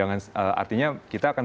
artinya kita akan bersaing